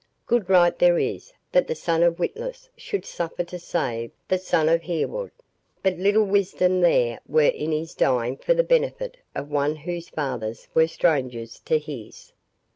Good right there is, that the son of Witless should suffer to save the son of Hereward; but little wisdom there were in his dying for the benefit of one whose fathers were strangers to his."